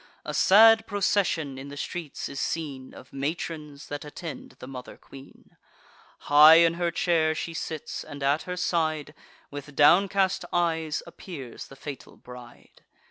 A sad procession in the streets is seen, Of matrons, that attend the mother queen: High in her chair she sits, and, at her side, With downcast eyes, appears the fatal bride.